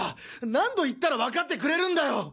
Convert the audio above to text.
何度言ったらわかってくれるんだよ。